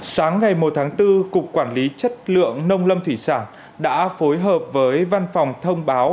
sáng ngày một tháng bốn cục quản lý chất lượng nông lâm thủy sản đã phối hợp với văn phòng thông báo